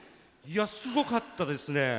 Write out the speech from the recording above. いやすごかったですね。